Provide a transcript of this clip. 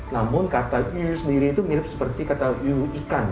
namun kata iu sendiri itu mirip seperti kata yuwu ikan